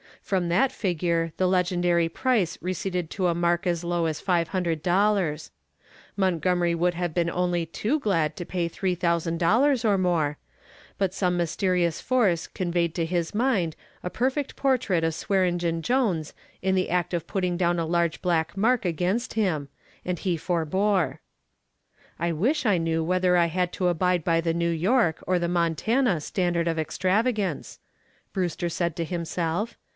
From that figure the legendary price receded to a mark as low as $500. Montgomery would have been only too glad to pay $3,000 or more, but some mysterious force conveyed to his mind a perfect portrait of Swearengen Jones in the act of putting down a large black mark against him, and he forbore. "I wish I knew whether I had to abide by the New York or the Montana standard of extravagance," Brewster said to himself.